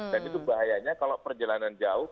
dan itu bahayanya kalau perjalanan jauh